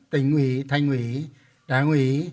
tỉnh ủy thành ủy đảng ủy